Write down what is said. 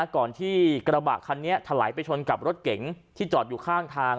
ก่อนที่กระบะคันนี้ถลายไปชนกับรถเก๋งที่จอดอยู่ข้างทาง